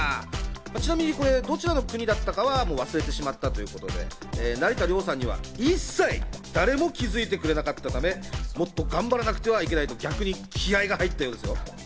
ちなみこれ、どちらの国だったかはもう忘れてしまったということで成田凌さんには一切誰も気づいてくれなかったため、もっと頑張らなくてはいけないと逆に気合いが入ったそうですよ。